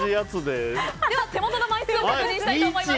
では手元の枚数を確認したいと思います。